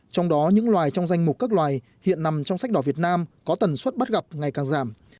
trong đó những loài trong danh mục các loài hiện nằm trong sách đỏ việt nam có tần suất bắt gặp ngày càng giảm